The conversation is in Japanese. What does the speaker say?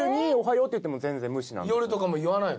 夜とかも言わないの？